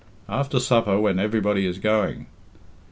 "After supper, when everybody is going!